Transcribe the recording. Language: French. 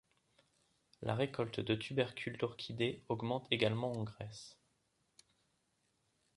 La récolte de tubercules d’orchidées augmente également en Grèce.